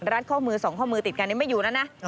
รัดข้อมือ๒ข้อมือติดกันนี้ไม่อยู่นะ